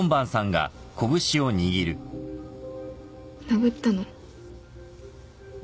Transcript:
殴ったの？